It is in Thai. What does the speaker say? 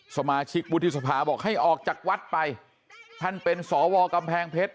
สมาชิกวุฒิสภาบอกให้ออกจากวัดไปท่านเป็นสวกำแพงเพชร